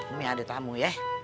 umi ada tamu ya